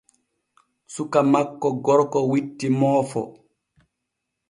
Suka makko gorko witti moofo.